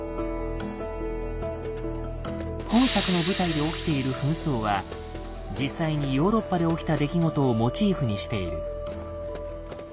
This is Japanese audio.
本作の舞台で起きている紛争は実際にヨーロッパで起きた出来事をモチーフにしている。